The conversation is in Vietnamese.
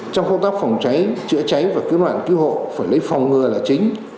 trong công tác phòng cháy chữa cháy và cứu nạn cứu hộ phải lấy phòng ngừa là chính